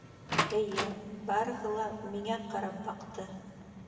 Эйе, барыһы ла миңә ҡарап баҡты!